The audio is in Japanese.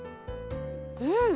うん！